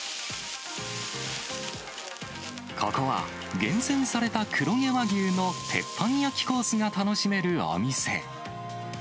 ここは、厳選された黒毛和牛の鉄板焼きコースが楽しめるお店。